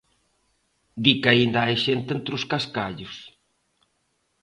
Di que aínda hai xente entre os cascallos.